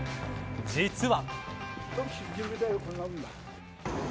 実は。